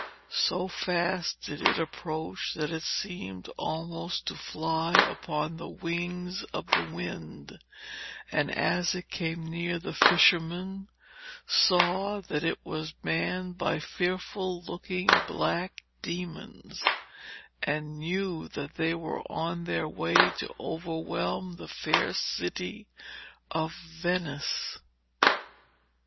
So fast did it approach that it seemed almost to fly upon the wings of the wind, and as it came near the fisherman saw that it was manned by fearful looking black demons, and knew that they were on their way to overwhelm the fair city of Venice.